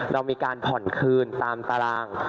เรามีการผ่อนคืนตามตาราง